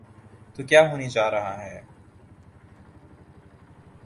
تو کیا ہونے جا رہا ہے؟